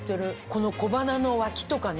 この小鼻の脇とかね